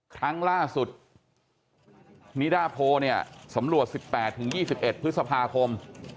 ครั้งล่าสุดนิดาโพสำรวจ๑๘ถึง๒๑พฤษฐาคม